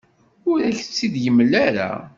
Ur ak-tt-id-yemla ara.